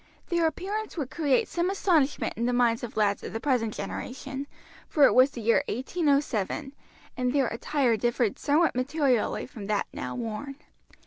Their appearance would create some astonishment in the minds of lads of the present generation, for it was the year 1807, and their attire differed somewhat materially from that now worn.